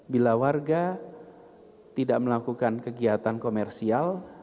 bila warga tidak melakukan kegiatan komersial